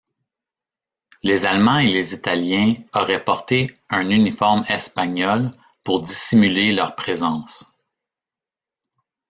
Les Allemands et les Italiens auraient porté un uniforme espagnol pour dissimuler leur présence.